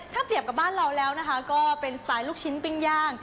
ถ้าเปรียบกับบ้านเราแล้วนะคะก็เป็นสไตล์ลูกชิ้นปิ้งย่าง